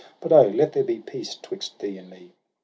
But oh, let there be peace 'tvvdxt thee and me